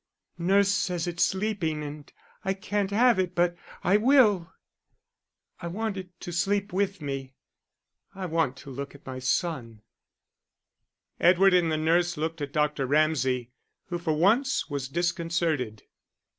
Nurse says it's sleeping and I can't have it but I will. I want it to sleep with me, I want to look at my son." Edward and the nurse looked at Dr. Ramsay, who for once was disconcerted.